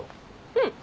うん。